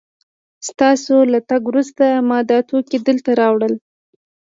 ستاسو له تګ وروسته ما دا توکي دلته راوړل